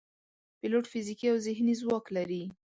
پیلوټ فزیکي او ذهني ځواک لري.